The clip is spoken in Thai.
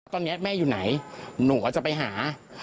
ตอนนี้แม่อยู่ไหนหนูก็จะไปหา